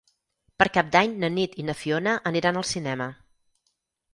Per Cap d'Any na Nit i na Fiona aniran al cinema.